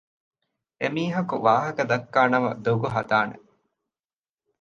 އެމީހަކު ވާހަކަދައްކާ ނަމަ ދޮގު ހަދާނެ